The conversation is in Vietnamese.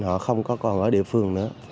họ không có còn ở địa phương nữa